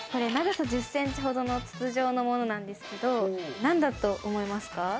長さ１０センチほどの筒状のものなんですけど、何だと思いますか？